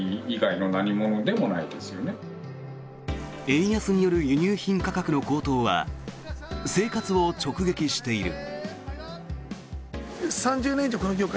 円安による輸入品価格の高騰は生活を直撃している。